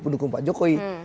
pendukung pak jokowi